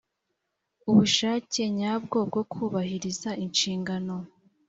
ubushake nyabwo bwo kubahiriza inshingano